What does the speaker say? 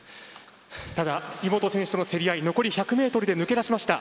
ただ、井本選手との競り合い残り１００ｍで抜け出しました。